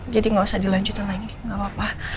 jadi gak usah dilanjutin lagi gak apa apa